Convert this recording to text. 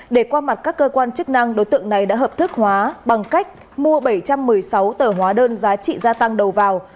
để qua mặt các cơ quan chức năng đối tượng này đã hợp thức hóa bằng cách mua bảy trăm một mươi sáu tờ hóa đơn giá trị gia tăng đầu vào